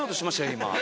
今。